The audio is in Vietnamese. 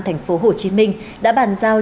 thành phố hồ chí minh đã bàn giao